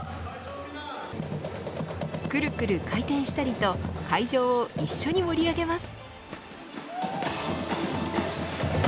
くるくる回転したりと会場を一緒に盛り上げます。